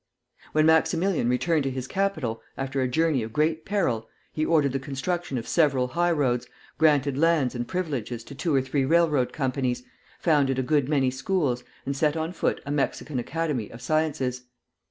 When Maximilian returned to his capital, after a journey of great peril, he ordered the construction of several high roads, granted lands and privileges to two or three railroad companies, founded a good many schools, and set on foot a Mexican Academy of Sciences.